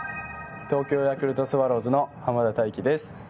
東京ヤクルトスワローズの濱田太貴です。